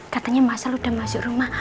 katanya mas al udah masuk rumah